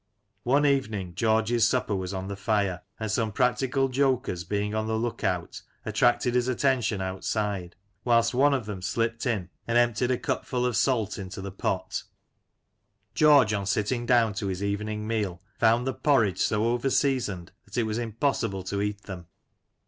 One evening George's supper was on the fire, aiid some practical jokers, being on the look out, attracted his attention outside, whilst one of them slipped in and emptied a cupful of salt into the pot. George on sitting down to his evening meal found the porridge so over seasoned that it was impossible to eat them.